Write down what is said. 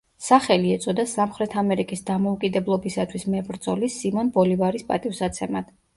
სახელი ეწოდა სამხრეთ ამერიკის დამოუკიდებლობისათვის მებრძოლის, სიმონ ბოლივარის პატივსაცემად.